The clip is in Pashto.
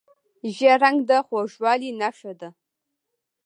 ژیړ رنګ د خوږوالي نښه ده.